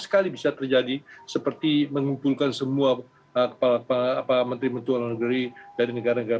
sekali bisa terjadi seperti mengumpulkan semua kepala kepala menteri mentua negeri dari negara negara